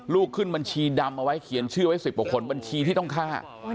ขึ้นบัญชีดำเอาไว้เขียนชื่อไว้๑๐กว่าคนบัญชีที่ต้องฆ่า